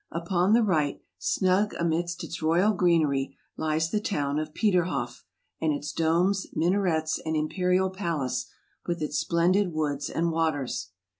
Upon the right, snug amidst its royal greenery, lies the town of Peterhoff and its domes, minarets, and im perial palace, with its splendid woods and waters.